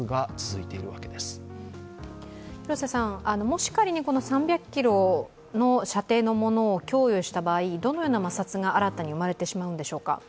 もし仮に３００ｋｍの射程のものを供与した場合、どのような摩擦が新たに生まれてしまうんでしょうか。